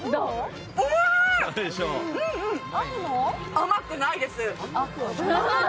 甘くないです。